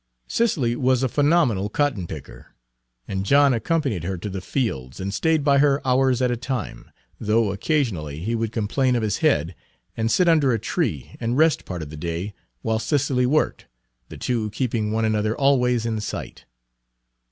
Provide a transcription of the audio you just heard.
Cicely was a phenomenal cotton picker, and John accompanied her to the fields and stayed by her hours at a time, though occasionally he would complain of his head, and sit under a tree and rest part of the day while Cicely worked, the two keeping one another always in sight.